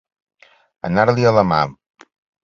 Anar-li a la mà.